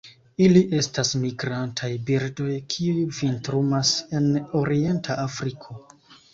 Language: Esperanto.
Ili estas migrantaj birdoj, kiuj vintrumas en orienta Afriko.